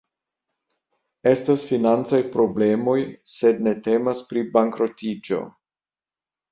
Estas financaj problemoj, sed ne temas pri bankrotiĝo.